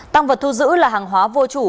tăng vật thu giữ là hàng hóa vô chủ